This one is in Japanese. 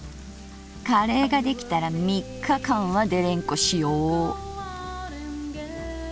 カレーが出来たら３日間はデレンコしよう。